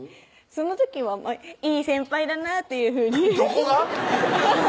その時はいい先輩だなっていうふうにどこが？